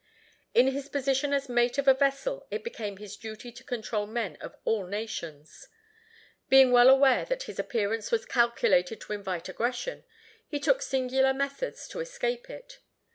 In his position as mate of a vessel it became his duty to control men of all nations. Being well aware that his appearance was calculated to invite aggression, he took singular methods to escape it.